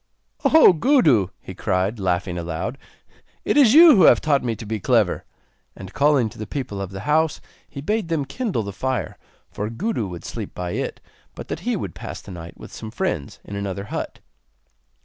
'O Gudu!' he cried, laughing aloud, 'it is you who have taught me to be clever.' And calling to the people of the house, he bade them kindle the fire, for Gudu would sleep by it, but that he would pass the night with some friends in another hut.